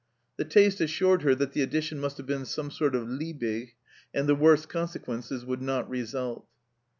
The taste assured her that the addition must have been some sort of Liebig, and the worst consequences would not result